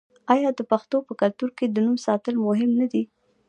آیا د پښتنو په کلتور کې د نوم ساتل مهم نه دي؟